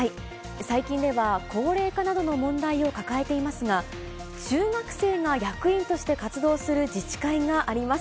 最近では高齢化などの問題を抱えていますが、中学生が役員として活動する自治会があります。